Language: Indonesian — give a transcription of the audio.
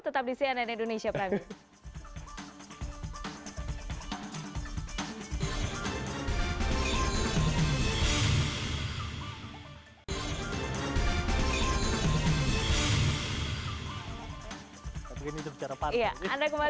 tetap di cnn indonesia